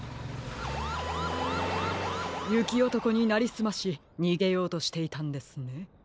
ゆきおとこになりすましにげようとしていたんですね。